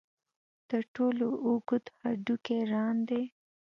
تر ټولو اوږد هډوکی ران دی.